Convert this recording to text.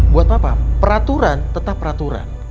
buat apa peraturan tetap peraturan